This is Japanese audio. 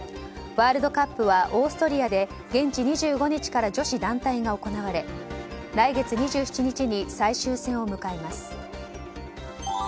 ワールドカップはオーストリアで現地２５日から女子団体が行われ来月２７日に最終戦を迎えます。